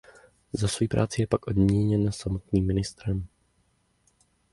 Za svoji práci je pak odměněn samotným ministrem.